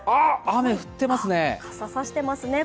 雨降ってますね。